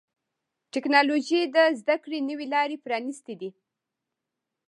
ټکنالوجي د زدهکړې نوي لارې پرانستې دي.